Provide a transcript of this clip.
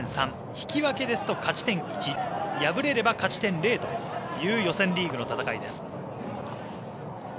引き分けですと勝ち点１敗れれば勝ち点０という予選リーグの戦いです。